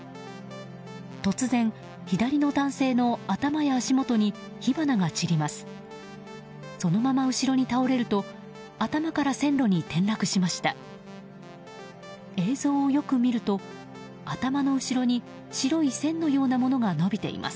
突然、左の男性の頭や足もとに火花が散ります。